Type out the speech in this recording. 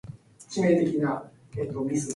We didn't have to look far.